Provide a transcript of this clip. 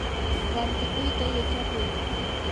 rantikuyta yachakuy.